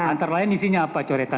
antara lain isinya apa coretan